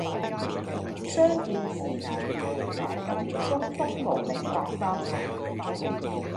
相見時難別亦難，東風無力百花殘。